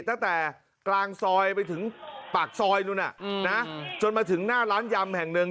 ตั้งแต่กลางซอยไปถึงปากซอยนู้นจนมาถึงหน้าร้านยำแห่งหนึ่ง